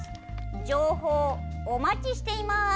情報、お待ちしています！